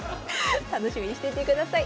楽しみにしていてください。